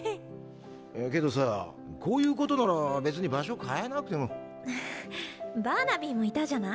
けどさこういうことなら別に場所変えなくても。んバーナビーも居たじゃない？